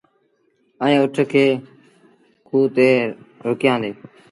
ائيٚݩ اُٺ کي کوه تي روڪيآݩدي۔